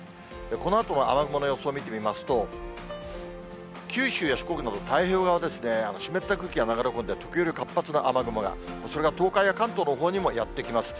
このあとの雨雲の予想を見てみますと、九州や四国など、太平洋側ですね、湿った空気が流れ込んで、時折、活発な雨雲が、それが東海や関東のほうにもやって来ます。